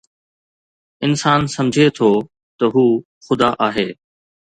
انسان سمجهي ٿو ته هو خدا آهي